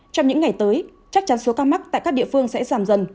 trong những ngày tới chắc chắn số ca mắc tại các địa phương sẽ giảm dần